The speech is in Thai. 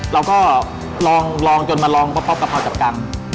เราก็ลองจนมาลองพอกับพาวจับกัง